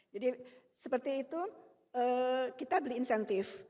jadi seperti itu kita beli insentif